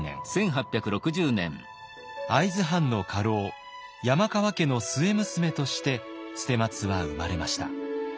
会津藩の家老山川家の末娘として捨松は生まれました。